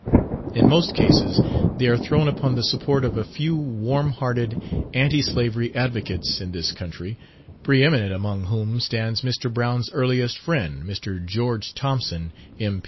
In most cases they are thrown upon the support of a few warm hearted anti slavery advocates in this country, pre eminent among whom stands Mr. Brown's earliest friend, Mr. George Thompson, M.